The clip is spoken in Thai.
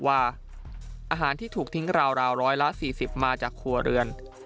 ว่าอาหารที่ถูกทิ้งราวร้อยละ๔๐มาจากครัวเรือน